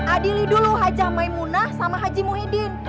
adili dulu hajah maimunah sama haji muhyiddin